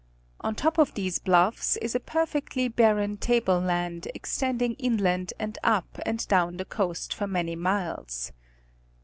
On top of these bluffs is a perfectly barren table land extending inland and up and down the coast for many miles.